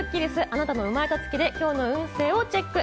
あなたの生まれた月で今日の運勢をチェック。